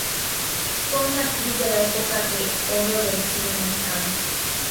Fue una actriz de la Época de Oro del cine mexicano.